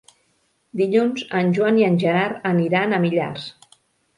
Dilluns en Joan i en Gerard aniran a Millars.